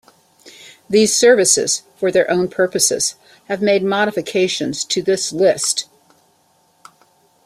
These services, for their own purposes, have made modifications to this list.